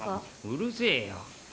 うるせえよ。